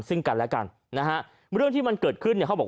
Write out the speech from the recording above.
ซึ่งกันและกันนะฮะเรื่องที่มันเกิดขึ้นเนี่ยเขาบอก